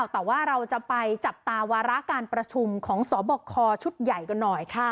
แต่ว่าเราจะไปจับตาวาระการประชุมของสบคชุดใหญ่กันหน่อยค่ะ